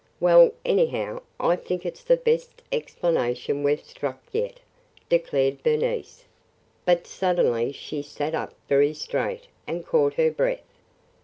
"Well, anyhow, I think it 's the best explanation we 've struck yet," declared Bernice, but suddenly she sat up very straight and caught her breath.